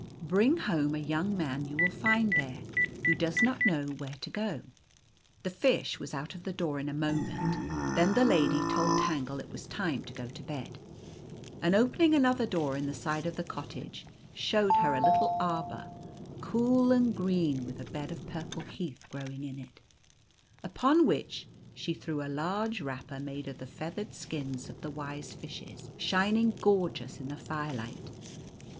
"Bring home a young man you will find there, who does not know where to go." The fish was out of the door in a moment. Then the lady told Tangle it was time to go to bed ; and, opening another door in the side of the cottage, showed her a little arbour, cool and green, with a bed of purple heath growing in it, upon which she threw 1 88 The Golden Key a large wrapper made of the feathered skins of the wise tishes. shining gorgeous in the firelight.